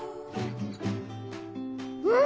うん！